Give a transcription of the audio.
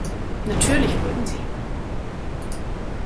Natürlich würden Sie.